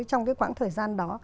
trong cái khoảng thời gian đó